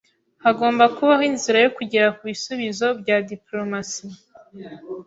Hagomba kubaho inzira yo kugera kubisubizo bya diplomasi.